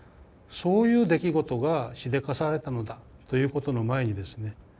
そういう出来事がしでかされたのだということの前にですね